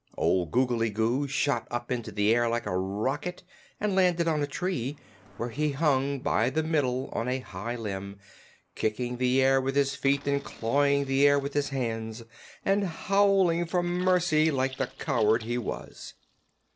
Old Googly Goo shot up into the air like a rocket and landed on a tree, where he hung by the middle on a high limb, kicking the air with his feet and clawing the air with his hands, and howling for mercy like the coward he was.